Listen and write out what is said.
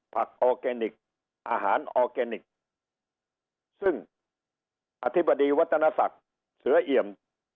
ผักออเกเนคอาหารออเกเนคซึ่งอธิบดีวัฒนศักดิ์เสื้อเอี่ยม